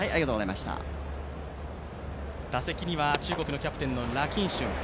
打席には中国のキャプテンのラ・キンシュン。